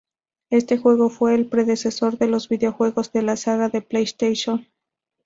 Este juego fue el predecesor de los videojuegos de la saga en PlayStation.